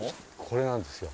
これなんですよ。